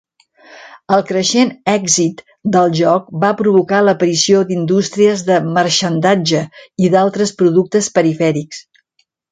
El creixent èxit del joc va provocar l'aparició d'indústries de marxandatge i d'altres productes perifèrics.